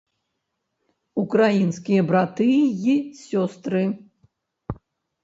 Украінскія браты й сёстры!